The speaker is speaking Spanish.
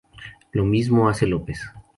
Lo mismo hace López.